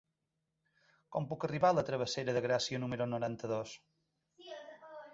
Com puc arribar a la travessera de Gràcia número noranta-dos?